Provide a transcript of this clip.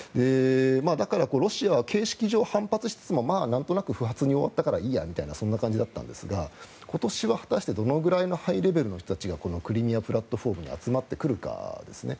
だから、ロシアは形式上、反発しつつもまあ、なんとなく不発に終わったからいいやというそんな感じだったんですが今年は果たしてどのくらいのハイレベルの人たちがクリミア・プラットフォームに集まってくるかですね。